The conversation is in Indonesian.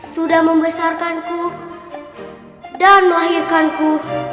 sudah membesarkanku dan melahirkanku